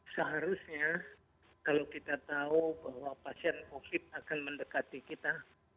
seharusnya kalau kita tahu bahwa pasien covid akan mendekati kita